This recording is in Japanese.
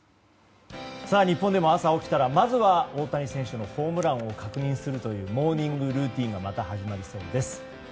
日本でも、朝起きたらまずは大谷選手のホームランを確認するというモーニングルーティンがまた始まるそうです。